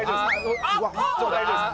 もう大丈夫です。